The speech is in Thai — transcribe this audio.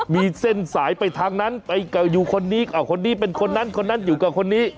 มีเส้นสายไปทางนั้นไปเก่าอยู่คนนี้เป็นคนนั้นคนนั้นอยู่กับคนนี้